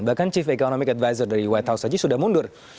bahkan chief economic advisor dari white house saja sudah mundur